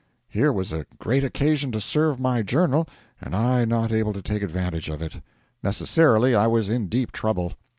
Here was a great occasion to serve my journal, and I not able to take advantage of it. Necessarily I was in deep trouble.